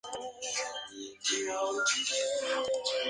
Se destaca la producción agrícola, principalmente plátano y cítricos.